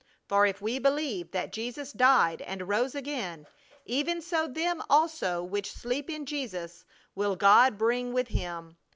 For if we believe that Jesus died and rose again, even so them also which sleep in Jesus will God bring with Him....